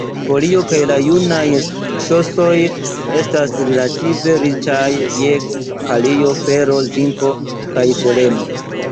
Folioj kaj la junaj ŝosoj estas relative riĉaj je kalio, fero, zinko kaj seleno.